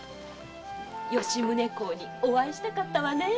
吉宗公にお会いしたかったわねえ！